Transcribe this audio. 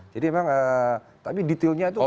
jadi memang tapi detailnya itu banyak